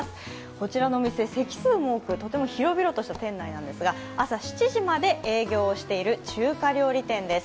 こちらのお店、席数も多くとても広々とした店内なのですが朝７時まで営業している中華料理店です。